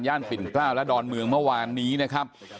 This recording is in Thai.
ปิ่นเกล้าและดอนเมืองเมื่อวานนี้นะครับ